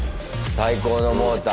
最高のモーター。